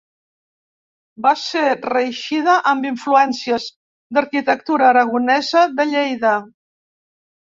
Va ser reeixida amb influències d'arquitectura aragonesa de Lleida.